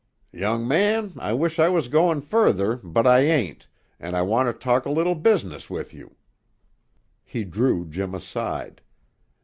"Young man, I wish I was goin' further, but I ain't, and I want ter talk a little business with you." He drew Jim aside.